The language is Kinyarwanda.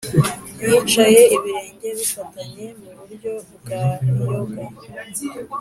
yicaye ibirenge bifatanye (mu buryo bwa yoga)